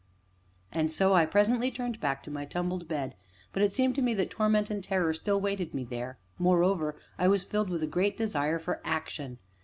And so I presently turned back to my tumbled bed, but it seemed to me that torment and terror still waited me there; moreover, I was filled with a great desire for action.